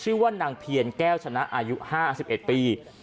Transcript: ชื่อว่านางเพียรแก้วชนะอายุ๕๑ปี